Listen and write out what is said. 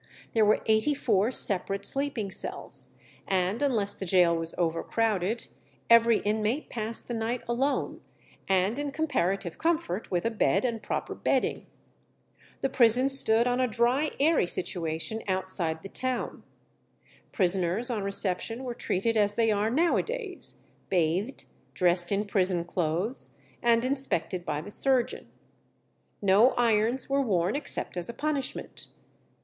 There were eighty four separate sleeping cells, and unless the gaol was overcrowded, every inmate passed the night alone, and in comparative comfort, with a bed and proper bedding. The prison stood on a dry, airy situation outside the town. Prisoners on reception were treated as they are now a days bathed, dressed in prison clothes, and inspected by the surgeon. No irons were worn except as a punishment.